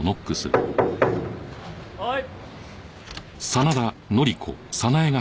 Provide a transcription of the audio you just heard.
はい。